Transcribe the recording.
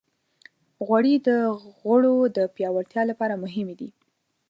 غوړې د غړو د پیاوړتیا لپاره مهمې دي.